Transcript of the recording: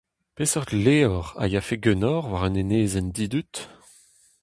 Peseurt levr a yafe ganeoc'h war un enezenn didud ?